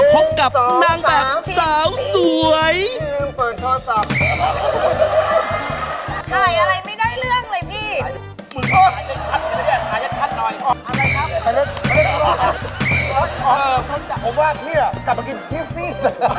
ผมว่าพี่อ่ะกลับมากินทิฟต์ฟรี